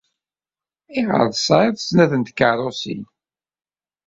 Ayɣer ay tesɛiḍ snat n tkeṛṛusin?